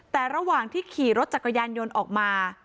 แต่ระหว่างที่ขี่รถจักรยานยนต์ออกมา